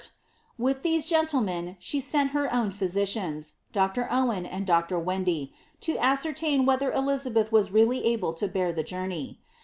^ With these gentlemen she sent her own physi cians, Dr. Owen and Dr. Wendy, to ascertain whether Elizabeth was really able to bear the journey.